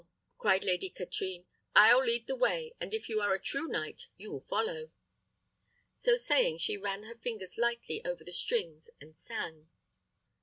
cried Lady Katrine, "I'll lead the way; and if you are a true knight, you will follow." So saying, she ran her fingers lightly over the strings, and sang. LADY KATRINE'S SONG.